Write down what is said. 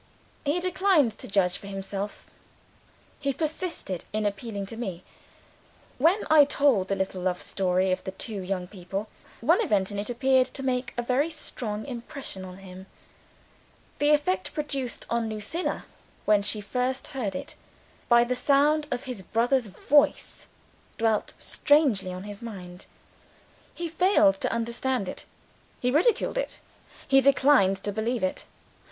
He declined to judge for himself; he persisted in appealing to me. When I told the little love story of the two young people, one event in it appeared to make a very strong impression on him. The effect produced on Lucilla (when she first heard it) by the sound of his brother's voice, dwelt strangely on his mind. He failed to understand it; he ridiculed it; he declined to believe it.